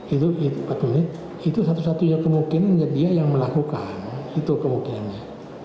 itu satu satunya kemungkinan dia yang melakukan itu kemungkinannya